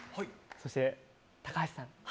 そして橋さん。